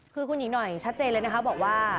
คือคุณหญิงหน่อยชัดเจนเลยนะคะบอกว่า